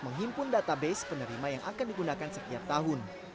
menghimpun database penerima yang akan digunakan setiap tahun